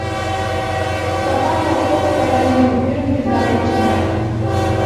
Сапан латкок стакан дене пӱрым темкален шында.